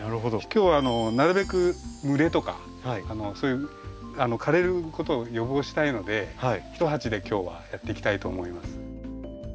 今日はなるべく蒸れとかそういう枯れることを予防したいので１鉢で今日はやっていきたいと思います。